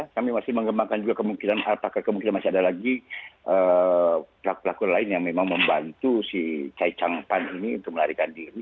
kami masih mengembangkan juga kemungkinan apakah kemungkinan masih ada lagi pelaku pelaku lain yang memang membantu si cai chang pan ini untuk melarikan diri